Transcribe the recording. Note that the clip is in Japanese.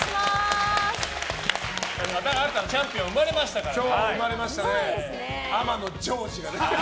また新たなチャンピオンが生まれましたからね。